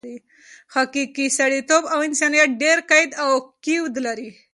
حقیقي سړیتوب او انسانیت ډېر قید او قیود لري.